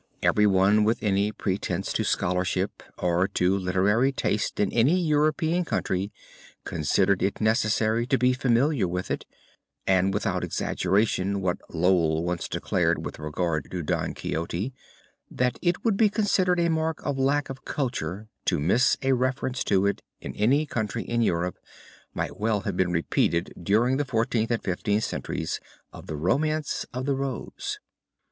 Every one with any pretense to scholarship or to literary taste in any European country considered it necessary to be familiar with it, and without exaggeration what Lowell once declared with regard to Don Quixote, that it would be considered a mark of lack of culture to miss a reference to it in any country in Europe, might well have been repeated during the Fourteenth and Fifteenth centuries of the Romance of the Rose.